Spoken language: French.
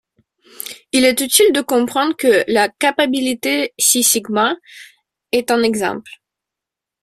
Il est utile de comprendre que la capabilité Six Sigma est un exemple.